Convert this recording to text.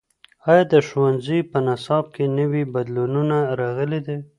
ایا د ښوونځیو په نصاب کې نوي بدلونونه راغلي دي؟